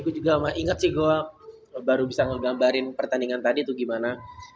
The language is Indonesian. gue juga inget sih gue baru bisa ngegambarin pertandingan tadi atau gimana